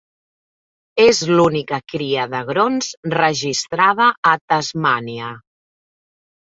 És l'única cria d'agrons registrada a Tasmània.